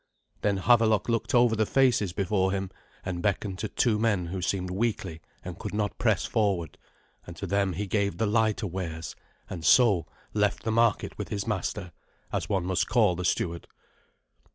Then Havelok looked over the faces before him, and beckoned to two men who seemed weakly and could not press forward, and to them he gave the lighter wares, and so left the market with his master, as one must call the steward.